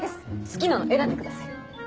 好きなの選んでください。